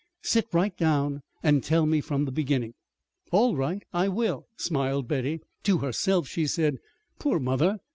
Sit right down and tell me from the beginning." "All right, I will," smiled Betty. To herself she said: "Poor mother!